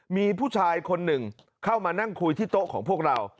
มีผู้ชายคนหนึ่งเข้ามานั่งคุยที่โต๊ะของพวกเรา